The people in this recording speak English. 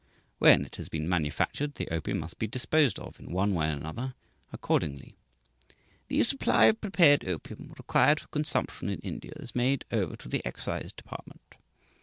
When it has been manufactured, the opium must be disposed of in one way and another; accordingly: "The supply of prepared opium required for consumption in India is made over to the Excise Department....